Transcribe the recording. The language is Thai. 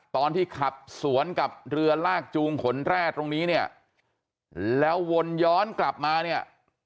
ตอนที่ขับสวนกับเรือลากจูงขนแร่ตรงนี้เนี่ยแล้ววนย้อนกลับมาเนี่ย